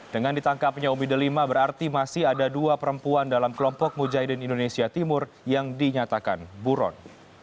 dengan ditangkapnya umi delima berarti masih ada dua perempuan dalam kelompok mujahidin indonesia timur yang dinyatakan buron